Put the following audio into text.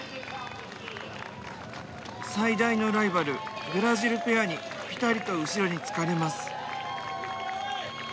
最大のライバルブラジルペアにピタリと後ろにつかれます。